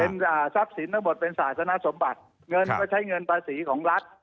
ทรัพย์สินทั้งหมดเป็นศาสนสมบัติเงินก็ใช้เงินภาษีของรัฐ